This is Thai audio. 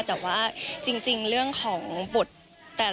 แต่ว่าจริงเรื่องของบท